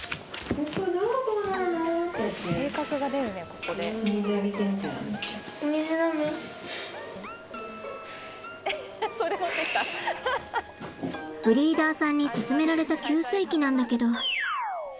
ブリーダーさんに勧められた給水器なんだけど。